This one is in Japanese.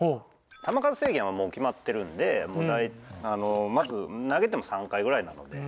球数制限はもう決まってるのでもうまず投げても３回ぐらいなので。